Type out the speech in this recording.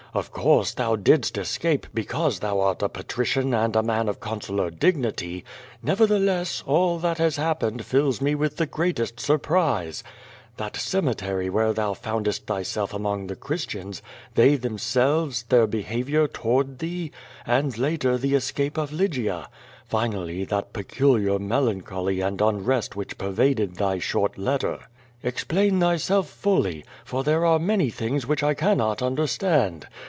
Of course, thou didst escape because thou art a patrician and a man of consular dignity, nevertheless, all that has happened fills me with the greatest surprise — ^that cemetery where thou found est thyself among the Christians, they themselves, their be havior toward thee, and later the escape of Lygia; finally, that peculiar melancholy and unrest which i)ervaded thy short letter. Explain thyself fully, for there are many things which I cannot understand.